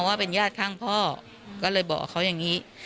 ว่าเป็นญาติข้างพ่อก็เลยบอกเขาอย่างนี้